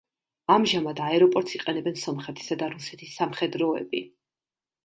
ამჟამად აეროპორტს იყენებენ სომხეთისა და რუსეთის სამხედროები.